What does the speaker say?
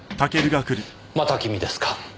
また君ですか！